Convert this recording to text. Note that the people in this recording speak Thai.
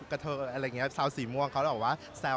เรียบร้อยไหมสุชิค่ะ